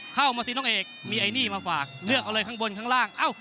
เข้ามาสิน้องเอกมีไอ้นี่มาฝากเลือกเอาเลยข้างบนข้างล่างเอ้า